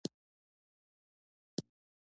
ډي این اې د وراثت کوډونه لیږدوي